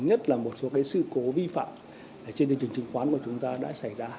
nhất là một số sự cố vi phạm trên thị trường chứng khoán của chúng ta đã xảy ra